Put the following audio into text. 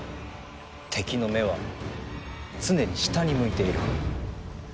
敵の目は常に下に向いている。